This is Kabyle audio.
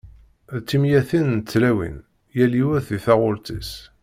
D timeyyatin n tlawin, yal yiwet di taɣult-is.